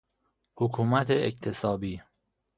حکومت اکتسابی